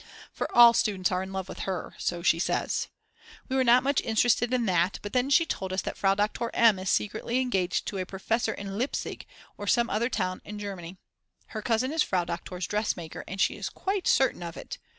For all students are in love with her, so she says. We were not much interested in that, but then she told us that Frau Doktor M. is secretly engaged to a professor in Leipzig or some other town in Germany. Her cousin is Frau Doktor's dressmaker, and she is quite certain of it.